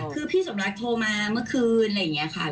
คือพี่สมรักโทรมาเมื่อคืนอะไรอย่างนี้ค่ะ